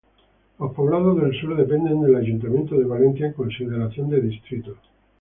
Los Poblados del Sur dependen del ayuntamiento de Valencia en consideración de distrito.